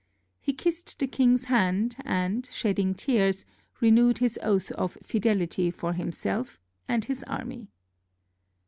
He kissed the king's hand, and, shedding tears, renewed his oaths of fidelity for himself and his army.